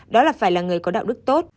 đó là phải là người có đạo đức tốt